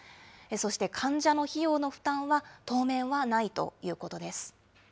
そして患者の費用の負担は、当面はないということです。